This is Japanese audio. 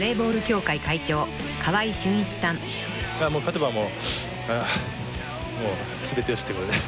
勝てばもう全てよしってことで。